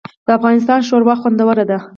د افغانستان شوروا خوندوره ده